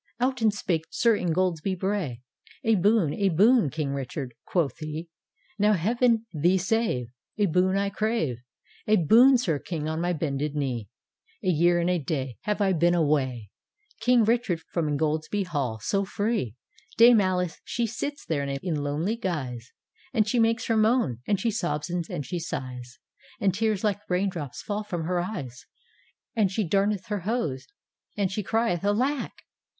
" Out and spake Sir Ingoldsby Bray, "A boon, a boon. King Richard," quoth he, " Now Heav'n thee save, A boon I crave) A boon, Sir King, on my bended knee; A year and a day Have I been away. King Richard, from Ingoldsby Hall so free; Dame Alice she sits there in lonely guise. And she makes her moan, and she sobs and she siglis, And tears like rain drops fall from her eyes, And she darneth her hose, and she crieth 'Alack!